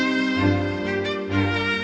em ti what's keepin doing